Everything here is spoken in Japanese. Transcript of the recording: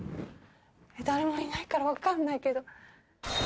誰もいないから分かんないけど。